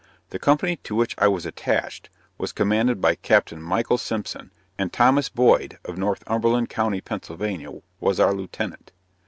The company to which I was attached, was commanded by Capt. Michael Simpson; and Thomas Boyd, of Northumberland county, Pennsylvania, was our Lieutenant.